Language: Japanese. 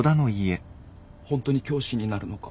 本当に教師になるのか？